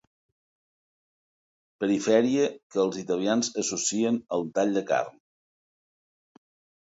Perifèria que els italians associen al tall de carn.